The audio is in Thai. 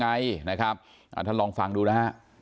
ไงนะครับลองฟังดูนะ